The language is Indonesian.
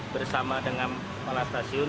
bersama dengan kepala stasiun